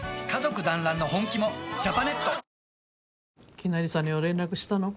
きなりさんには連絡したの？